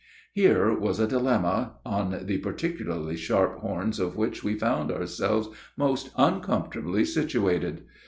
Here was a dilemma, on the particularly sharp horns of which we found ourselves most uncomfortably situated.